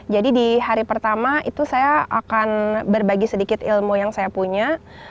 jadi di hari pertama itu saya akan berbagi sedikit ilmu yang saya punya